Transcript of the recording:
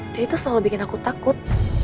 dan itu selalu bikin aku takut